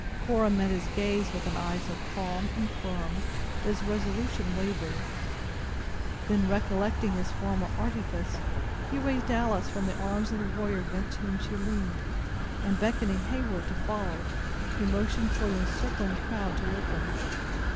Cora met his gaze with an eye so calm and firm, that his resolution wavered. Then, recollecting his former artifice, he raised Alice from the arms of the warrior against whom she leaned, and beckoning Heyward to follow, he motioned for the encircling crowd to open.